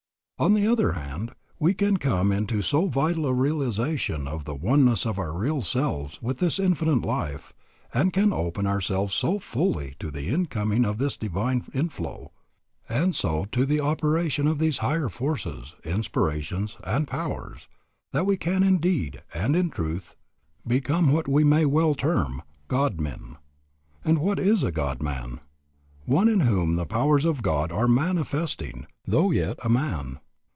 On the other hand, we can come into so vital a realization of the oneness of our real selves with this Infinite Life, and can open ourselves so fully to the incoming of this divine inflow, and so to the operation of these higher forces, inspirations, and powers, that we can indeed and in truth become what we may well term, God men. And what is a God man? One in whom the powers of God are manifesting, though yet a man.